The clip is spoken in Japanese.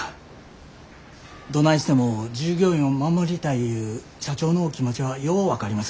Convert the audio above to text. どないしても従業員を守りたいいう社長のお気持ちはよう分かります。